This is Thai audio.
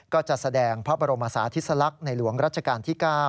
ก็จะแสดงพระบรมศาธิสลักษณ์ในหลวงรัชกาลที่๙